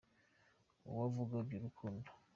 Uwavuga iby’urukundo